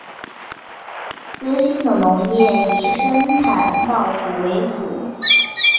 资兴的农业以生产稻谷为主。